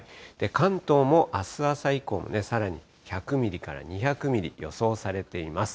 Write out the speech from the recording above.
関東もあす朝以降もね、さらに１００ミリから２００ミリ、予想されています。